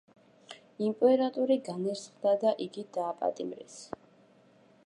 იმპერატორი განრისხდა და იგი დააპატიმრეს.